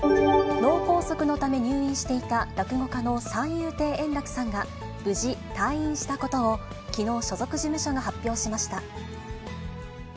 脳梗塞のため、入院していた落語家の三遊亭円楽さんが、無事退院したことを、きのう、所属事務所が発表しました。